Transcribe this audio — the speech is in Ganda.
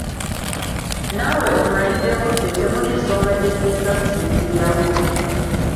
Naawe ommalidde budde temuli nsonga gye nnyinza kusinziirako.